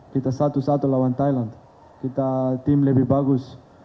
kita tim lebih bagus